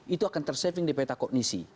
itu akan ter saving di peta kognisi